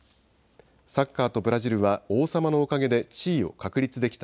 サッカーとブラジルは王様のおかげで地位を確立できた。